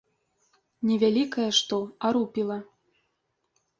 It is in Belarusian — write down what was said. Не вялікае што, а рупіла.